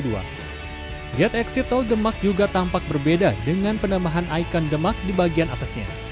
lihat eksit tol demak juga tampak berbeda dengan penambahan ikon demak di bagian atasnya